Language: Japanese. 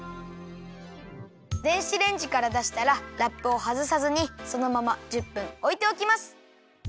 電子レンジからだしたらラップをはずさずにそのまま１０分おいておきます。